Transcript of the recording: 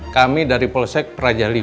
kami dari polsek praja v